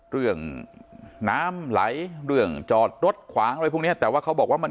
เรื่องน้ำไหลเรื่องจอดรถขวางอะไรพวกเนี้ยแต่ว่าเขาบอกว่ามัน